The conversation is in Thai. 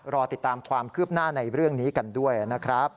รอติดตามความคืบหน้าในเรื่องนี้กันด้วยนะครับ